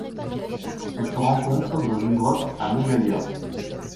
Elle se rencontre dans une grotte à Mangalia.